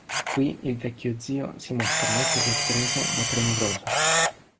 Qui il vecchio zio si mostra molto sorpreso ma premuroso.